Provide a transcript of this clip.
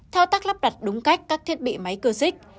thao tác lắp đặt đúng cách các thiết bị máy cơ xích